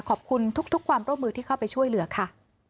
ขอบคุณทุกความร่วมมือที่เข้าไปช่วยเหลือค่ะ